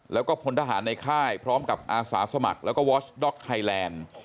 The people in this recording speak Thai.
แล้วก็พลทหารในค่ายพร้อมกับอาสาสมัครแล้วก็วอชด็อกไทยแลนด์